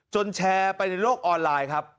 แชร์ไปในโลกออนไลน์ครับ